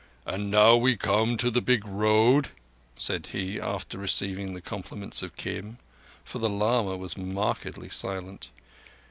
"And now we come to the Big Road," said he, after receiving the compliments of Kim; for the lama was markedly silent.